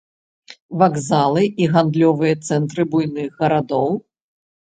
Вакзалы і гандлёвыя цэнтры буйных гарадоў?